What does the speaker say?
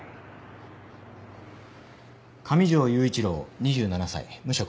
上条雄一郎２７歳無職。